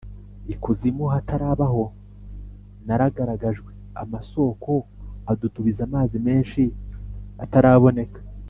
ikuzimu hatarabaho naragaragajwe, amasōko adudubiza amazi menshi ataraboneka